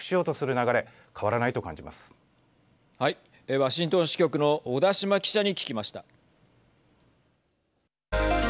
ワシントン支局の小田島記者に聞きました。